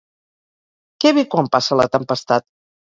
Què ve quan passa la tempestat?